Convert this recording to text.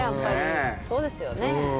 そうですよね。